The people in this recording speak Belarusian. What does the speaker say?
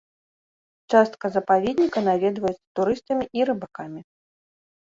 Частка запаведніка наведваецца турыстамі і рыбакамі.